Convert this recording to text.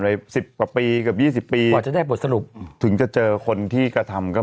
ไว้๑๐กว่าปีกับ๒๐ปีจะได้บทสรุปถึงจะเจอคนที่กระทำก็